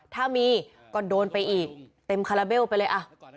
ถ้ามีก็โดนไปอีกเต็มคาราเบลไปเลย